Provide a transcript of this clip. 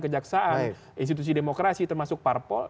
kejaksaan institusi demokrasi termasuk parpol